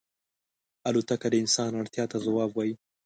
الوتکه د انسان اړتیا ته ځواب وايي.